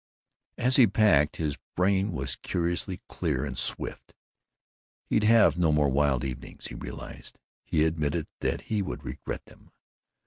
As he packed, his brain was curiously clear and swift. He'd have no more wild evenings, he realized. He admitted that he would regret them.